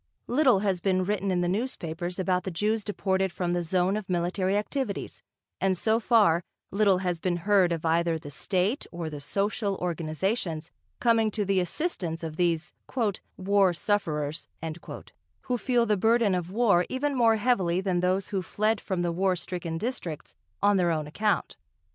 Little has been written in the newspapers about the Jews deported from the zone of military activities, and so far little has been heard of either the state or the social organisations coming to the assistance of these "war sufferers," who feel the burden of war even more heavily than those who fled from the war stricken districts on their own account.